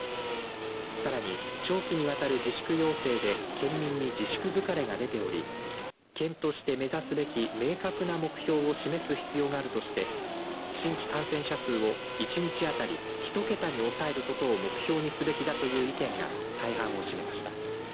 さらに、長期にわたる自粛要請で県民に自粛疲れが出ており県として目指すべき明確な目標を示す必要があるとして新規感染者数を１日あたり１桁に抑えることを目標にすべきだという意見が大半を占めました。